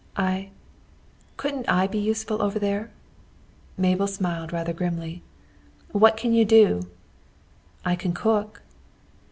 "I couldn't I be useful over there?" Mabel smiled rather grimly. "What can you do?" "I can cook."